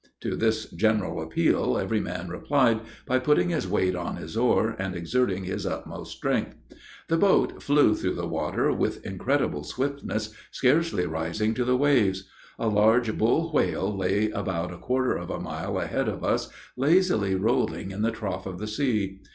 To this general appeal, every man replied by putting his weight on his oar, and exerting his utmost strength. The boat flew through the water with incredible swiftness, scarcely rising to the waves. A large bull whale lay about a quarter of a mile ahead of us, lazily rolling in the trough of the sea.